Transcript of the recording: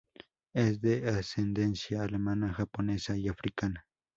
Es de ascendencia alemana, japonesa y africana.